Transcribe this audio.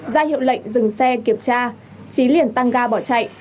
ra hiệu lệnh dừng xe kiểm tra trí liền tăng ga bỏ chạy